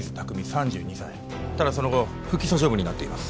３２歳ただその後不起訴処分になっています